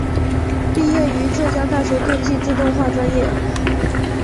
毕业于浙江大学电气自动化专业。